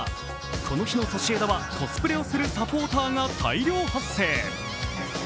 この日のソシエダはコスプレをするサポーターが大量発生。